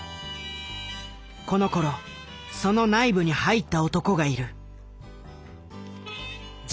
このころその内部に入った男がいる。